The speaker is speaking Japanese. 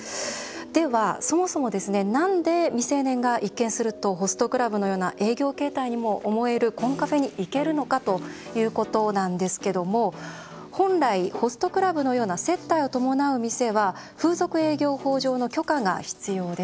では、そもそもなんで未成年が一見するとホストクラブのような営業形態にも思えるコンカフェに行けるのかということなんですが本来、ホストクラブのような接待を伴う店は風俗営業法上の許可が必要です。